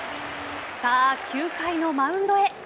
９回のマウンドへ。